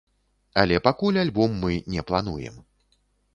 Але пакуль альбом мы не плануем.